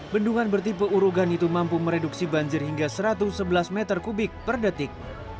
bendungan bertipe urogan itu mampu mereduksi banjir hingga satu ratus sebelas meter kubik per detik